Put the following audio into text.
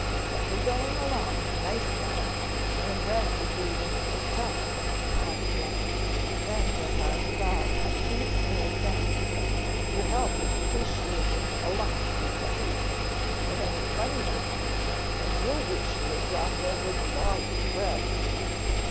"We're going along nice now; when Red was leading it was tough," added Lang, then went on to Bob, who had stared back. "Your help is appreciated a lot you can see, but any funny business and you'll wish you had dropped over off the log with Red."